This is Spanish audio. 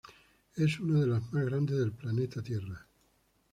Es una de las más grandes del planeta Tierra.